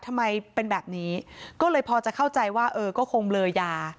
ทำไมเป็นแบบนี้ก็เลยพอจะเข้าใจว่าเออก็คงเบลอยา